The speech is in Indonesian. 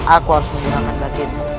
aku harus menggunakan batin